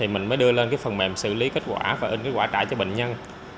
mình mới đưa lên phần mềm xử lý kết quả và in kết quả trả cho bệnh nhân